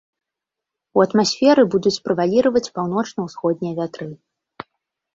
У атмасферы будуць прэваліраваць паўночна-ўсходнія вятры.